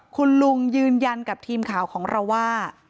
คุณลุงยืนยันกับทีมข่าวของเราว่า